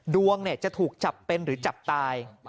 ดวงจะถูกจับเป็นหรือจับตาย